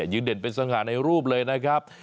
เด่นเป็นสง่าในรูปเลยนะครับ